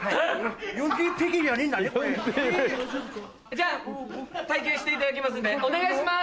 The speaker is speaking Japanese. じゃあ体験していただきますんでお願いします！